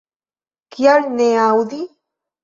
Kial ne aŭdi?